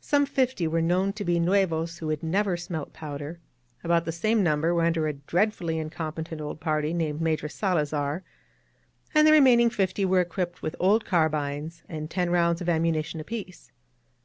Some fifty were known to be rmevas who had never smelt powder, about the same number were under a dread fully incompetent old party named Major Salazar, and the remaining fifty were equipped with old carbines and ten rounds of ammunition apiece.